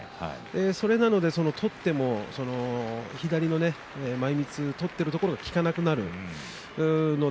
それなので、取っても左の前みつを取っているところが効かなくなります。